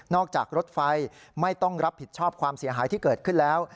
จากรถไฟไม่ต้องรับผิดชอบความเสียหายที่เกิดขึ้นแล้ว